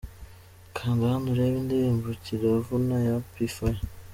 Kanda hano urebe indirimbo Kiravuna ya P Fire.